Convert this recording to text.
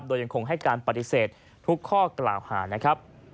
โดยยังคงให้การปฏิเสธทุกข้อกล่าวหานะครับ